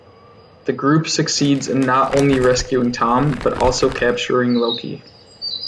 The group succeeds in not only rescuing Tom, but also capturing Loki.